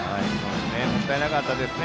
もったいなかったですね。